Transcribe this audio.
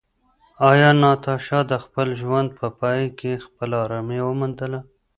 ایا ناتاشا د خپل ژوند په پای کې خپله ارامي وموندله؟